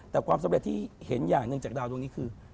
แต่ความสำเร็จที่เห็นอย่างหนึ่งจากดาวดวงนี้คือ